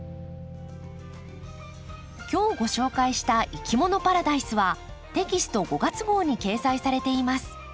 今日ご紹介した「いきものパラダイス」はテキスト５月号に掲載されています。